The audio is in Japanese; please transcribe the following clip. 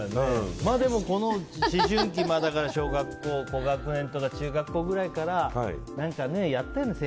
でも、この思春期小学校高学年とか中学校くらいからやってるんだよね